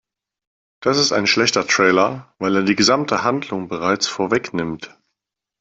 Das ist ein schlechter Trailer, weil er die gesamte Handlung bereits vorwegnimmt.